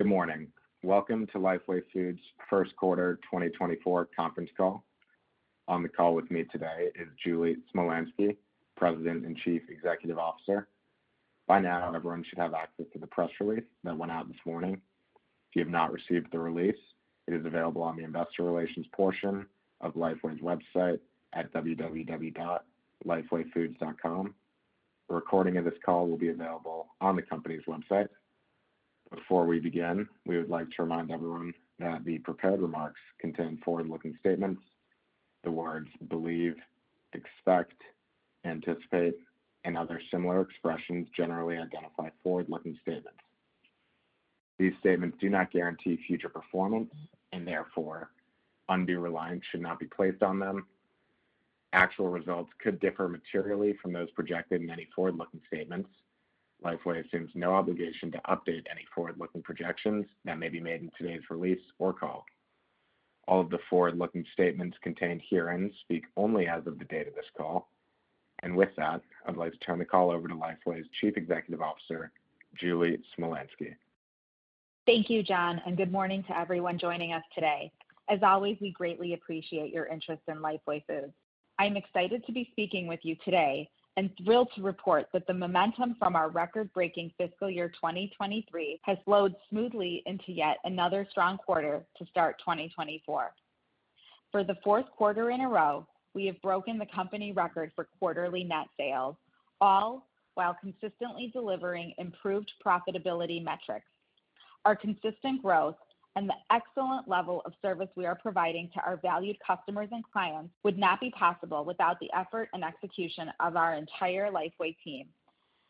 Good morning. Welcome to Lifeway Foods' first quarter 2024 conference call. On the call with me today is Julie Smolyansky, President and Chief Executive Officer. By now, everyone should have access to the press release that went out this morning. If you have not received the release, it is available on the Investor Relations portion of Lifeway's website at www.lifewayfoods.com. A recording of this call will be available on the company's website. Before we begin, we would like to remind everyone that the prepared remarks contain forward-looking statements, the words "believe," "expect," "anticipate," and other similar expressions generally identify forward-looking statements. These statements do not guarantee future performance and, therefore, undue reliance should not be placed on them. Actual results could differ materially from those projected in any forward-looking statements. Lifeway assumes no obligation to update any forward-looking projections that may be made in today's release or call. All of the forward-looking statements contained herein speak only as of the date of this call. With that, I'd like to turn the call over to Lifeway's Chief Executive Officer, Julie Smolyansky. Thank you, John, and good morning to everyone joining us today. As always, we greatly appreciate your interest in Lifeway Foods. I'm excited to be speaking with you today and thrilled to report that the momentum from our record-breaking fiscal year 2023 has flowed smoothly into yet another strong quarter to start 2024. For the fourth quarter in a row, we have broken the company record for quarterly net sales, all while consistently delivering improved profitability metrics. Our consistent growth and the excellent level of service we are providing to our valued customers and clients would not be possible without the effort and execution of our entire Lifeway team,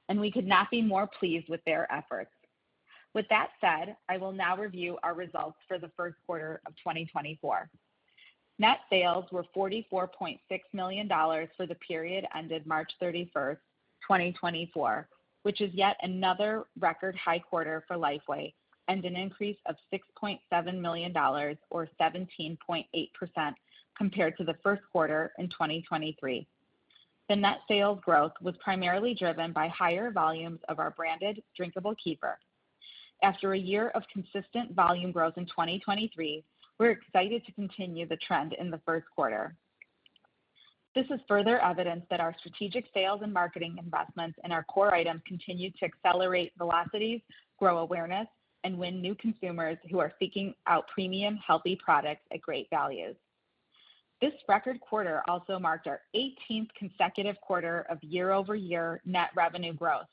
and we could not be more pleased with their efforts. With that said, I will now review our results for the first quarter of 2024. Net sales were $44.6 million for the period ended March 31st, 2024, which is yet another record-high quarter for Lifeway and an increase of $6.7 million or 17.8% compared to the first quarter in 2023. The net sales growth was primarily driven by higher volumes of our branded drinkable kefir. After a year of consistent volume growth in 2023, we're excited to continue the trend in the first quarter. This is further evidence that our strategic sales and marketing investments in our core items continue to accelerate velocities, grow awareness, and win new consumers who are seeking out premium, healthy products at great values. This record quarter also marked our 18th consecutive quarter of year-over-year net revenue growth.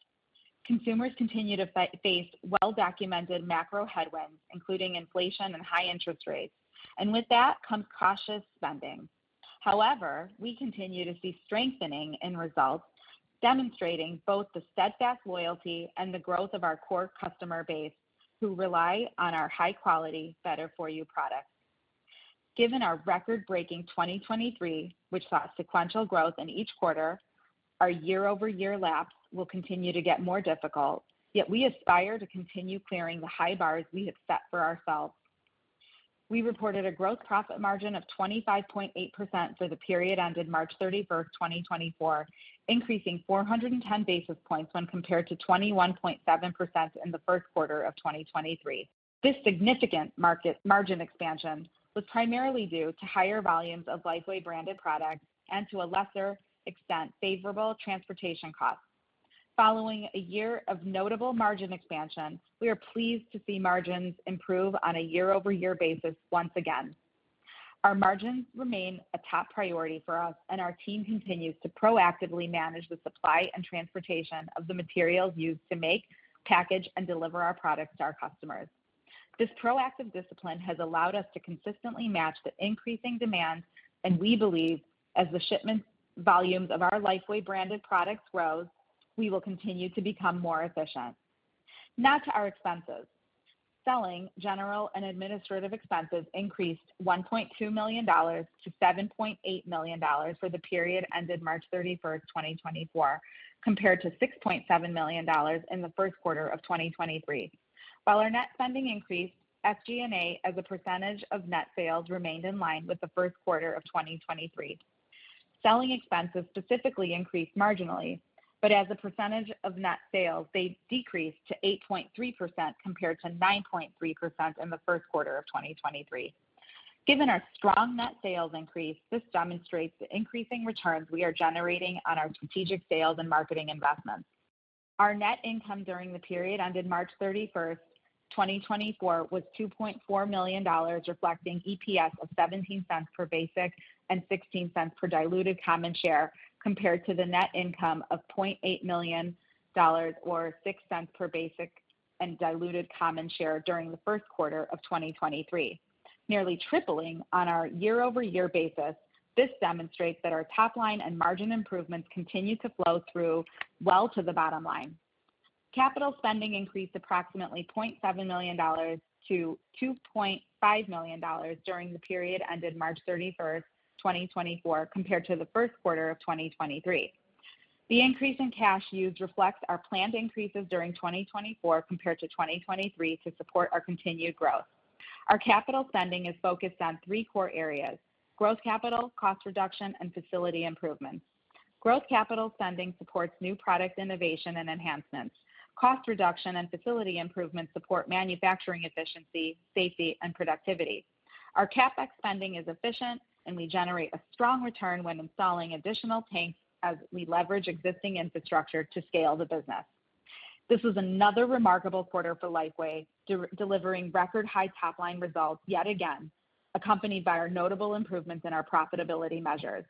Consumers continue to face well-documented macro headwinds, including inflation and high interest rates, and with that comes cautious spending. However, we continue to see strengthening in results, demonstrating both the steadfast loyalty and the growth of our core customer base who rely on our high-quality, better-for-you products. Given our record-breaking 2023, which saw sequential growth in each quarter, our year-over-year lapse will continue to get more difficult, yet we aspire to continue clearing the high bars we have set for ourselves. We reported a gross profit margin of 25.8% for the period ended March 31st, 2024, increasing 410 basis points when compared to 21.7% in the first quarter of 2023. This significant margin expansion was primarily due to higher volumes of Lifeway branded products and to a lesser extent favorable transportation costs. Following a year of notable margin expansion, we are pleased to see margins improve on a year-over-year basis once again. Our margins remain a top priority for us, and our team continues to proactively manage the supply and transportation of the materials used to make, package, and deliver our products to our customers. This proactive discipline has allowed us to consistently match the increasing demand, and we believe as the shipment volumes of our Lifeway branded products rose, we will continue to become more efficient. Now to our expenses. Selling, general, and administrative expenses increased $1.2 million to $7.8 million for the period ended March 31st, 2024, compared to $6.7 million in the first quarter of 2023. While our net spending increased, SG&A, as a percentage of net sales, remained in line with the first quarter of 2023. Selling expenses specifically increased marginally, but as a percentage of net sales, they decreased to 8.3% compared to 9.3% in the first quarter of 2023. Given our strong net sales increase, this demonstrates the increasing returns we are generating on our strategic sales and marketing investments. Our net income during the period ended March 31st, 2024, was $2.4 million, reflecting EPS of $0.17 per basic and $0.16 per diluted common share compared to the net income of $0.8 million or $0.06 per basic and diluted common share during the first quarter of 2023. Nearly tripling on our year-over-year basis, this demonstrates that our top-line and margin improvements continue to flow through well to the bottom line. Capital spending increased approximately $0.7 million to $2.5 million during the period ended March 31st, 2024, compared to the first quarter of 2023. The increase in cash used reflects our planned increases during 2024 compared to 2023 to support our continued growth. Our capital spending is focused on three core areas: growth capital, cost reduction, and facility improvements. Growth capital spending supports new product innovation and enhancements. Cost reduction and facility improvements support manufacturing efficiency, safety, and productivity. Our CapEx spending is efficient, and we generate a strong return when installing additional tanks as we leverage existing infrastructure to scale the business. This was another remarkable quarter for Lifeway, delivering record-high top-line results yet again, accompanied by our notable improvements in our profitability measures.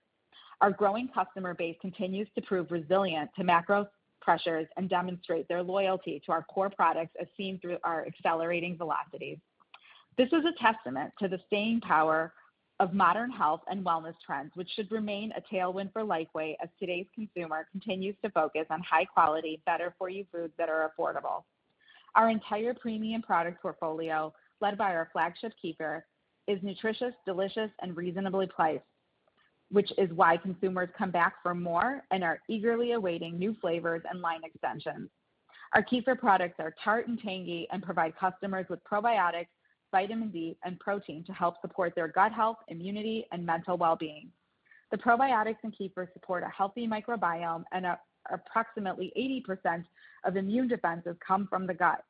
Our growing customer base continues to prove resilient to macro pressures and demonstrate their loyalty to our core products as seen through our accelerating velocities. This is a testament to the staying power of modern health and wellness trends, which should remain a tailwind for Lifeway as today's consumer continues to focus on high-quality, better-for-you foods that are affordable. Our entire premium product portfolio, led by our flagship kefir, is nutritious, delicious, and reasonably priced, which is why consumers come back for more and are eagerly awaiting new flavors and line extensions. Our kefir products are tart and tangy and provide customers with probiotics, vitamin D, and protein to help support their gut health, immunity, and mental well-being. The probiotics in kefir support a healthy microbiome, and approximately 80% of immune defenses come from the gut.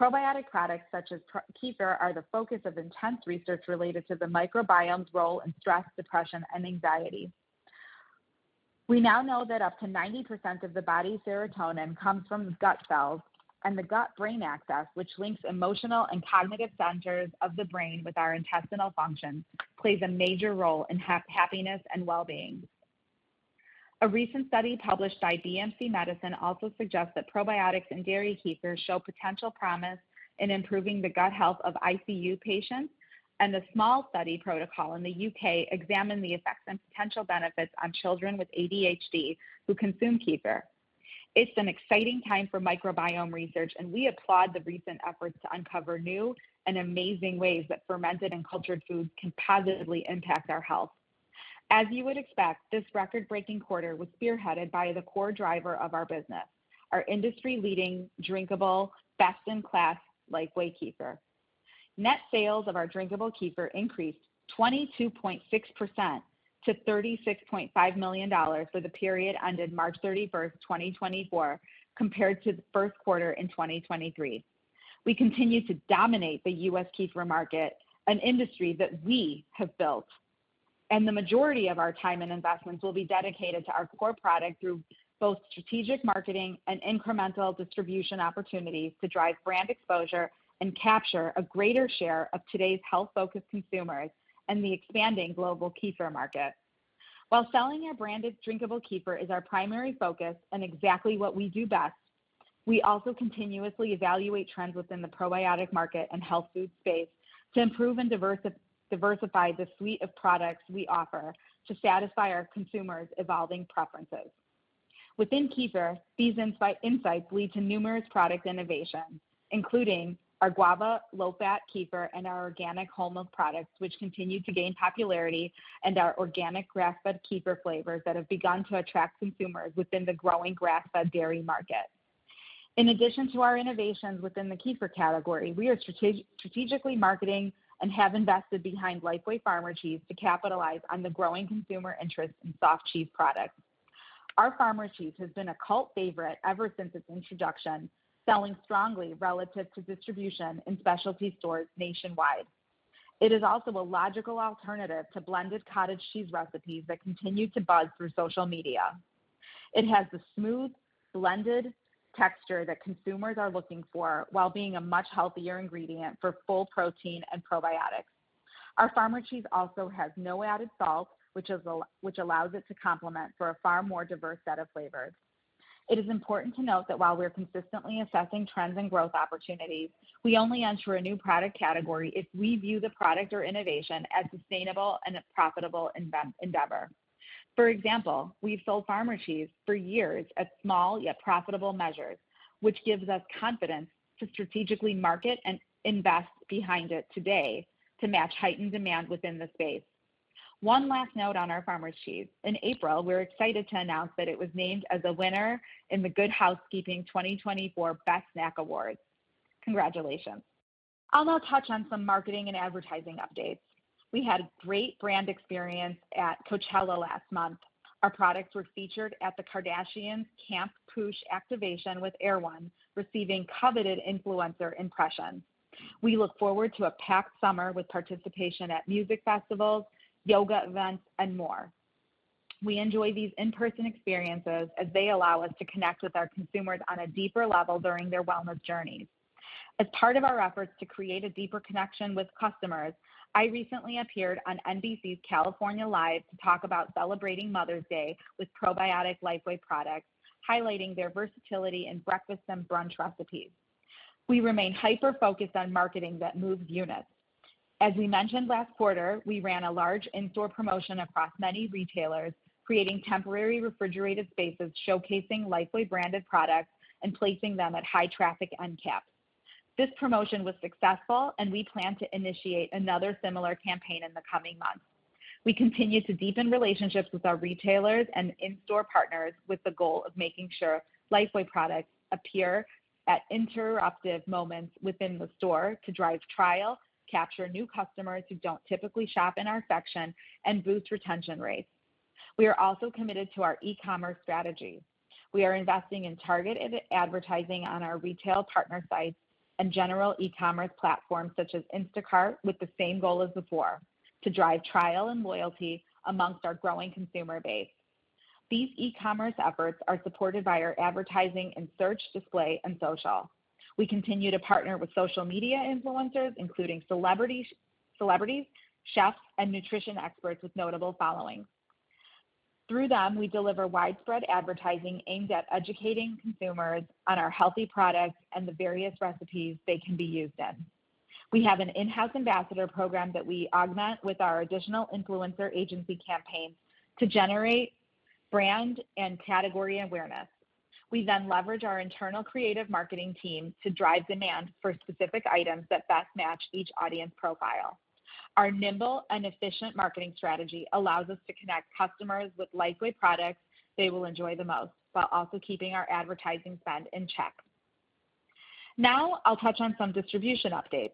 Probiotic products such as kefir are the focus of intense research related to the microbiome's role in stress, depression, and anxiety. We now know that up to 90% of the body's serotonin comes from gut cells, and the gut-brain axis, which links emotional and cognitive centers of the brain with our intestinal function, plays a major role in happiness and well-being. A recent study published by BMC Medicine also suggests that probiotics in dairy kefir show potential promise in improving the gut health of ICU patients, and a small study protocol in the U.K. examined the effects and potential benefits on children with ADHD who consume kefir. It's an exciting time for microbiome research, and we applaud the recent efforts to uncover new and amazing ways that fermented and cultured foods can positively impact our health. As you would expect, this record-breaking quarter was spearheaded by the core driver of our business, our industry-leading drinkable, best-in-class Lifeway Kefir. Net sales of our drinkable kefir increased 22.6% to $36.5 million for the period ended March 31st, 2024, compared to the first quarter in 2023. We continue to dominate the U.S. kefir market, an industry that we have built, and the majority of our time and investments will be dedicated to our core product through both strategic marketing and incremental distribution opportunities to drive brand exposure and capture a greater share of today's health-focused consumers and the expanding global kefir market. While selling our branded drinkable kefir is our primary focus and exactly what we do best, we also continuously evaluate trends within the probiotic market and health food space to improve and diversify the suite of products we offer to satisfy our consumers' evolving preferences. Within kefir, these insights lead to numerous product innovations, including our guava low-fat kefir and our organic whole milk products, which continue to gain popularity, and our organic grass-fed kefir flavors that have begun to attract consumers within the growing grass-fed dairy market. In addition to our innovations within the kefir category, we are strategically marketing and have invested behind Lifeway Farmer Cheese to capitalize on the growing consumer interest in soft cheese products. Our Farmer Cheese has been a cult favorite ever since its introduction, selling strongly relative to distribution in specialty stores nationwide. It is also a logical alternative to blended cottage cheese recipes that continue to buzz through social media. It has the smooth, blended texture that consumers are looking for while being a much healthier ingredient for full protein and probiotics. Our Farmer Cheese also has no added salt, which allows it to complement for a far more diverse set of flavors. It is important to note that while we're consistently assessing trends and growth opportunities, we only enter a new product category if we view the product or innovation as sustainable and a profitable endeavor. For example, we've sold Farmer Cheese for years as small yet profitable measures, which gives us confidence to strategically market and invest behind it today to match heightened demand within the space. One last note on our Farmer Cheese: in April, we're excited to announce that it was named as a winner in the Good Housekeeping 2024 Best Snack Awards. Congratulations. I'll now touch on some marketing and advertising updates. We had great brand experience at Coachella last month. Our products were featured at the Kardashian's Camp Poosh activation with Erewhon, receiving coveted influencer impressions. We look forward to a packed summer with participation at music festivals, yoga events, and more. We enjoy these in-person experiences as they allow us to connect with our consumers on a deeper level during their wellness journeys. As part of our efforts to create a deeper connection with customers, I recently appeared on NBC's California Live to talk about celebrating Mother's Day with probiotic Lifeway products, highlighting their versatility in breakfast and brunch recipes. We remain hyper-focused on marketing that moves units. As we mentioned last quarter, we ran a large in-store promotion across many retailers, creating temporary refrigerated spaces showcasing Lifeway branded products and placing them at high-traffic end caps. This promotion was successful, and we plan to initiate another similar campaign in the coming months. We continue to deepen relationships with our retailers and in-store partners with the goal of making sure Lifeway products appear at interruptive moments within the store to drive trial, capture new customers who don't typically shop in our section, and boost retention rates. We are also committed to our e-commerce strategy. We are investing in targeted advertising on our retail partner sites and general e-commerce platforms such as Instacart with the same goal as before: to drive trial and loyalty among our growing consumer base. These e-commerce efforts are supported by our advertising in search, display, and social. We continue to partner with social media influencers, including celebrities, chefs, and nutrition experts with notable followings. Through them, we deliver widespread advertising aimed at educating consumers on our healthy products and the various recipes they can be used in. We have an in-house ambassador program that we augment with our additional influencer agency campaigns to generate brand and category awareness. We then leverage our internal creative marketing team to drive demand for specific items that best match each audience profile. Our nimble and efficient marketing strategy allows us to connect customers with Lifeway products they will enjoy the most while also keeping our advertising spend in check. Now I'll touch on some distribution updates.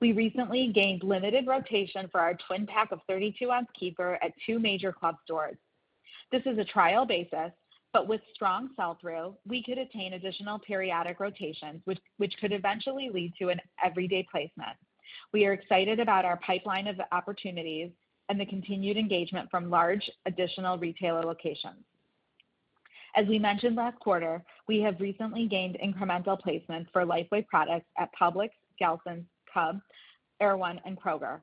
We recently gained limited rotation for our twin pack of 32-ounce kefir at two major club stores. This is a trial basis, but with strong sell-through, we could attain additional periodic rotations, which could eventually lead to an everyday placement. We are excited about our pipeline of opportunities and the continued engagement from large additional retailer locations. As we mentioned last quarter, we have recently gained incremental placements for Lifeway products at Publix, Gelson's, Cub, Erewhon, and Kroger.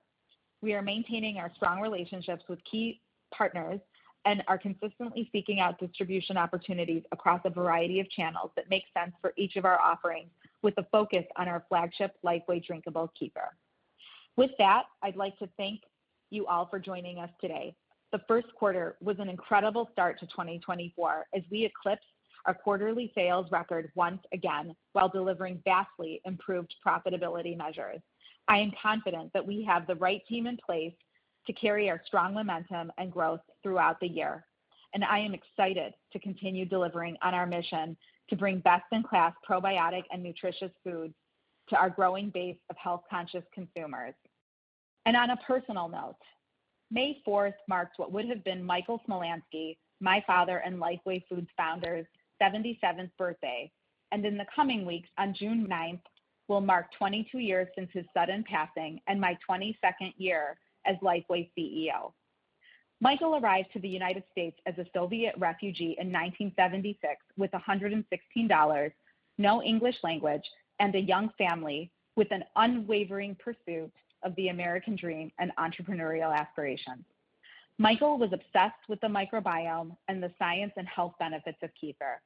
We are maintaining our strong relationships with key partners and are consistently seeking out distribution opportunities across a variety of channels that make sense for each of our offerings, with a focus on our flagship Lifeway drinkable kefir. With that, I'd like to thank you all for joining us today. The first quarter was an incredible start to 2024 as we eclipsed our quarterly sales record once again while delivering vastly improved profitability measures. I am confident that we have the right team in place to carry our strong momentum and growth throughout the year, and I am excited to continue delivering on our mission to bring best-in-class probiotic and nutritious foods to our growing base of health-conscious consumers. On a personal note, May 4th marks what would have been Michael Smolyansky, my father and Lifeway Foods founder's 77th birthday, and in the coming weeks, on June 9th, will mark 22 years since his sudden passing and my 22nd year as Lifeway CEO. Michael arrived to the United States as a Soviet refugee in 1976 with $116, no English language, and a young family with an unwavering pursuit of the American dream and entrepreneurial aspirations. Michael was obsessed with the microbiome and the science and health benefits of kefir.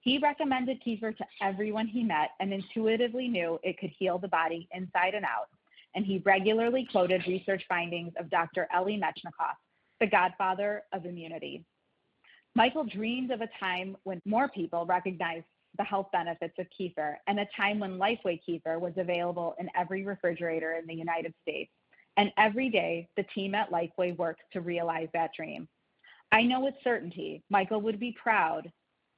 He recommended kefir to everyone he met and intuitively knew it could heal the body inside and out, and he regularly quoted research findings of Dr. Elie Metchnikoff, the godfather of immunity. Michael dreamed of a time when more people recognized the health benefits of kefir and a time when Lifeway kefir was available in every refrigerator in the United States, and every day the team at Lifeway worked to realize that dream. I know with certainty Michael would be proud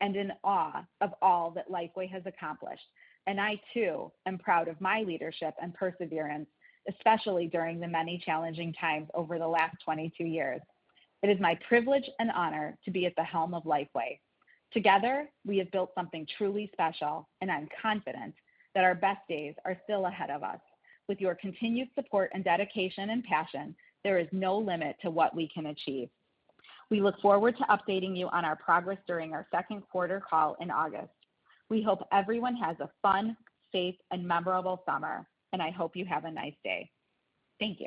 and in awe of all that Lifeway has accomplished, and I too am proud of my leadership and perseverance, especially during the many challenging times over the last 22 years. It is my privilege and honor to be at the helm of Lifeway. Together, we have built something truly special, and I'm confident that our best days are still ahead of us. With your continued support and dedication and passion, there is no limit to what we can achieve. We look forward to updating you on our progress during our second quarter call in August. We hope everyone has a fun, safe, and memorable summer, and I hope you have a nice day. Thank you.